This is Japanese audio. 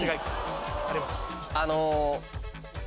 あの。